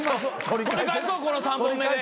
この３本目で。